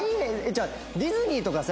じゃあディズニーとかさ